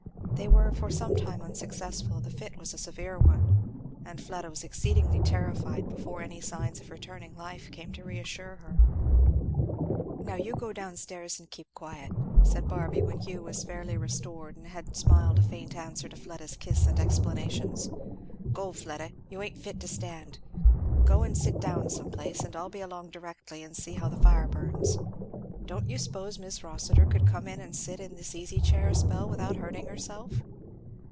They were for sometime unsuccessful; the fit was a severe one; and Fleda was exceedingly terrified before any signs of returning life came to reassure her. "Now you go down stairs and keep quiet!" said Barby, when Hugh was fairly restored and had smiled a faint answer to Fleda's kiss and explanations, "Go, Fleda! you ain't fit to stand. Go and sit down some place, and I'll be along directly and see how the fire burns. Don't you s'pose Mis' Rossitur could come in and sit in this easy chair a spell without hurting herself?"